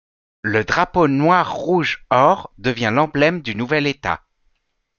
Le drapeau noir-rouge-or devient l'emblème du nouvel État.